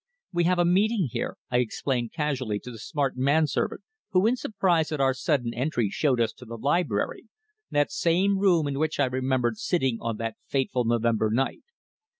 "We have a meeting here," I explained casually to the smart man servant who in surprise at our sudden entry showed us to the library, that same room in which I remembered sitting on that fateful November night.